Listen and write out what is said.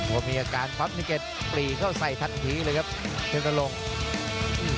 โอ้โหมีอาการความนิเกิดปลี่เข้าใส่ทันทีเลยครับเทพนรงส์